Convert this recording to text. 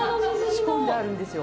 仕込んであるんですよ。